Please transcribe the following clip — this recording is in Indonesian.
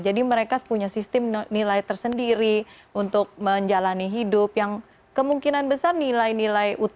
jadi mereka punya sistem nilai tersendiri untuk menjalani hidup yang kemungkinan besar nilai nilai yang tidak terlihat